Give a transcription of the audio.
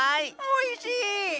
おいしい！